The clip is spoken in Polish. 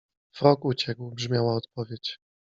- Frog uciekł - brzmiała odpowiedź.